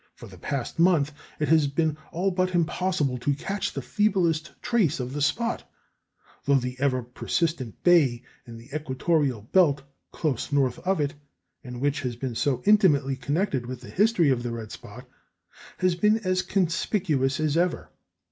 For the past month it has been all but impossible to catch the feeblest trace of the spot, though the ever persistent bay in the equatorial belt close north of it, and which has been so intimately connected with the history of the red spot, has been as conspicuous as ever.